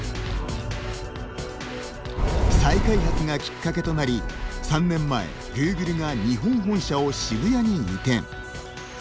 再開発がきっかけとなり、３年前グーグルが日本本社を渋谷に移転。